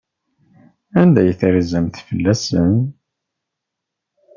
Anda ay terzamt fell-asen?